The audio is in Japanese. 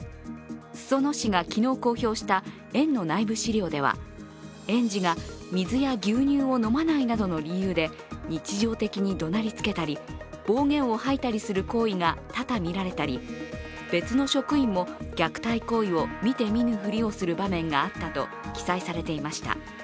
裾野市が昨日公表した園の内部資料では、園児が水や牛乳を飲まないなどの理由で日常的に怒鳴りつけたり暴言を吐いたりする行為が多々見られたり別の職員も虐待行為を見て見ぬ振りをする場面があったと記載されていました。